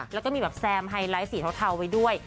แล้วก็มีแบบแซมไฮไลท์สีเทาไว้ด้วย